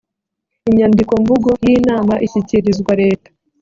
inyandikomvugo y inama ishyikirizwa leta